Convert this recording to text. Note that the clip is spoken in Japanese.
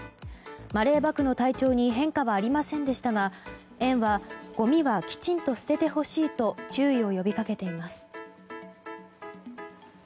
マレーバクの体調に変化はありませんでしたが園は、ごみはきちんと捨ててほしいと注意を呼びかけています。